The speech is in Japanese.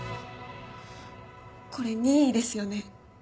これ任意ですよね？